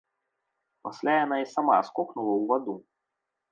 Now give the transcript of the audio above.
Пасля яна і сама скокнула ў ваду.